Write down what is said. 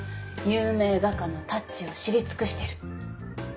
有名画家のタッチを知り尽くしてる。